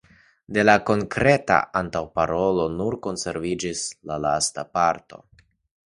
De la konkreta antaŭparolo nur konserviĝis la lasta parto.